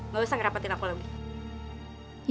gak usah ngerapetin aku lagi